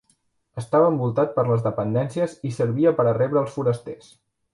Estava envoltat per les dependències i servia per a rebre els forasters.